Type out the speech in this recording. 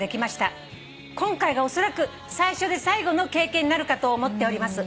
「今回がおそらく最初で最後の経験になるかと思っております」